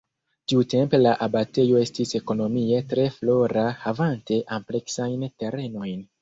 Tiutempe la abatejo estis ekonomie tre flora havante ampleksajn terenojn.